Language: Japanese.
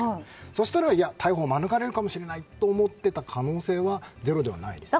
そうしたら、逮捕を免れるかもしれないと思っていた可能性はゼロではないです。